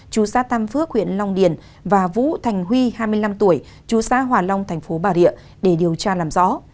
chú xá tam phước huyện long điền và vũ thành huy hai mươi năm tuổi chú xá hòa long thành phố bà địa để điều tra làm rõ